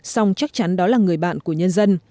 song chắc chắn đó là người bạn của nhân dân